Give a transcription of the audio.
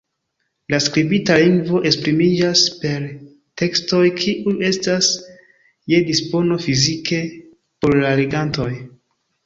La skribita lingvo esprimiĝas per tekstoj kiuj estas je dispono fizike por la legantoj.